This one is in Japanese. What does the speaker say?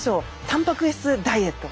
たんぱく質ダイエット。